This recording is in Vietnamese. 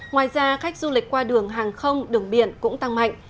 ngoài ra khách du lịch qua đường hàng không đường biển cũng tăng mạnh